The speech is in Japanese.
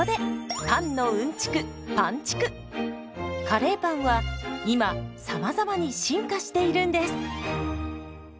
カレーパンは今さまざまに進化しているんです。